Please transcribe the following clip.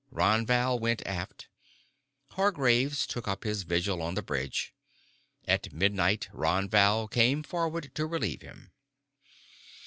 Ron Val went aft. Hargraves took up his vigil on the bridge. At midnight Ron Val came forward to relieve him.